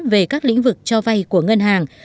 về các lĩnh vực cho vay của ngân hàng